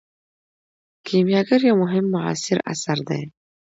کیمیاګر یو مهم معاصر اثر دی.